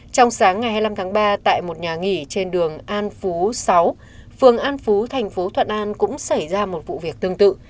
trong sáng ngày hai mươi năm tháng ba tại một nhà nghỉ trên đường an phú sáu phường an phú thành phố thuận an cũng xảy ra một vụ việc tương tự